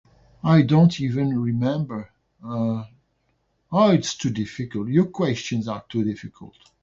I don't even remember, uh, ah it's too difficult. Your questions are too difficult